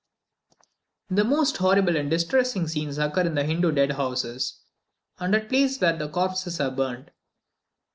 The most horrible and distressing scenes occur in the Hindoo dead houses, and at the places where the corpses are burnt.